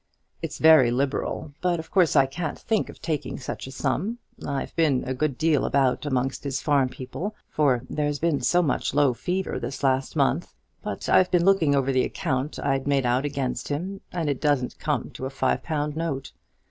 "It's very liberal; but of course I can't think of taking such a sum, I've been a good deal about amongst his farm people, for there's been so much low fever this last month, but I've been looking over the account I'd made out against him, and it doesn't come to a five pound note.